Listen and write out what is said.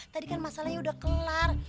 tadi kan masalahnya udah kelar